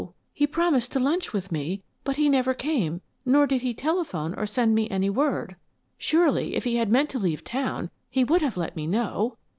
He promised to lunch with me, but he never came nor did he telephone or send me any word. Surely, if he had meant to leave town he would have let me know!"